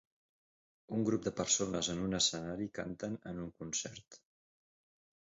Un grup de persones en un escenari canten en un concert.